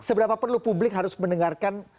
seberapa perlu publik harus mendengarkan